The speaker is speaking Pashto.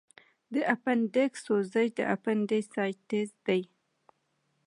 د اپنډکس سوزش اپنډیسایټس دی.